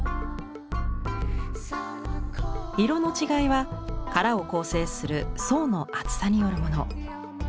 色の違いは殻を構成する層の厚さによるもの。